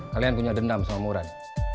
kalian punya dendam sama murad